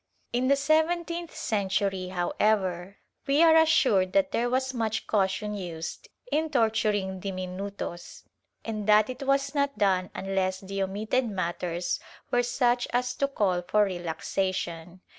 In the seven teenth century, however, we are assured that there was much caution used in torturing diminutos, and that it was not done unless the omitted matters were such as to call for relaxation.